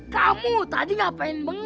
kamu tadi ngapain bengong